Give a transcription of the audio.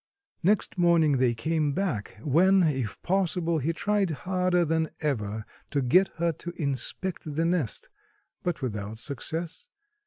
Next morning they came back, when, if possible, he tried harder than ever to get her to inspect the nest, but without success.